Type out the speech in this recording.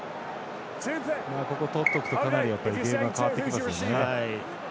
ここ取っておくとやっぱりゲームは変わってきますよね。